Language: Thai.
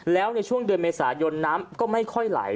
แล้วในช่วงเดือนเมษายนน้ำก็ไม่ค่อยไหล